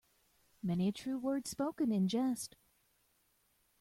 Many a true word spoken in jest.